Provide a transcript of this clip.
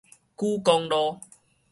莒光路